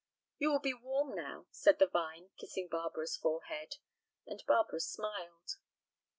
"You will be warm now," said the vine, kissing Barbara's forehead. And Barbara smiled.